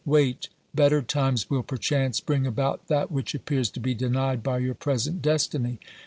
— Wait, better times will perchance bring about that which appears to be denied by your present destiny.